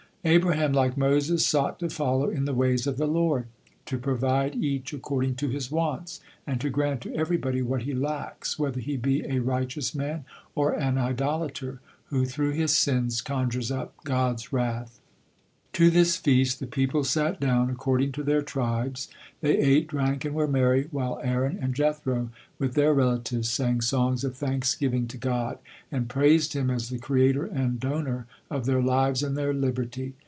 Abraham like Moses sought to follow in the ways of the Lord, to provide each according to his wants, and to grant to everybody what he lacks, whether he be a righteous man, or an idolater, who through his sins conjures up God's wrath. To this feast the people sat down according to their tribes. They ate, drank and were merry, while Aaron and Jethro with their relatives sang songs of thanksgiving to God, and praised Him as the Creator and Donor of their lives and their liberty.